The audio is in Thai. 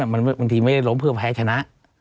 บางทีไม่ได้ล้มเพื่อแพ้ชนะ